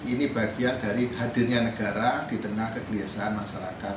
ini bagian dari hadirnya negara di tengah kebiasaan masyarakat